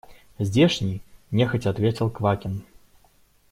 Здешний, – нехотя ответил Квакин.